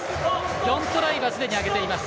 ４トライはすでに挙げています。